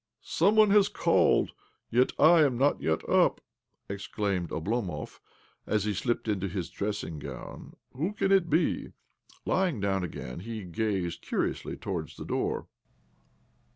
" Some one has called, yet I am not yet up 1 " exclaimed Oblomov as he slipped into his dressing gown. "Who сал it be?" Lying down again, he gazed curiously towards the door.